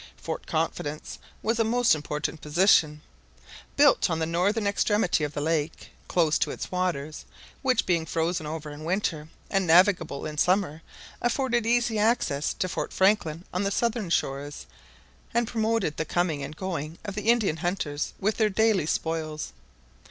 Fort Confidence was a most important position, built on the northern extremity of the lake, close to its waters, which being frozen over in winter, and navigable in summer, afforded easy access to Fort Franklin, on the southern shores, and promoted the coming and going of the Indian hunters with their daily spoils.